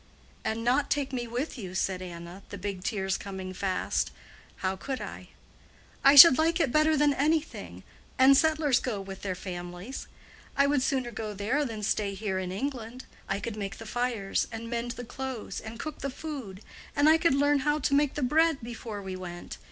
"And not take me with you?" said Anna, the big tears coming fast. "How could I?" "I should like it better than anything; and settlers go with their families. I would sooner go there than stay here in England. I could make the fires, and mend the clothes, and cook the food; and I could learn how to make the bread before we went.